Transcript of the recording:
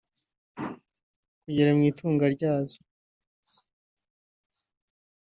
kugera mu itunga ryazo